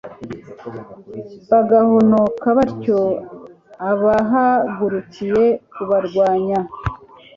bagahonoka batyo abahagurukiye kubarwanya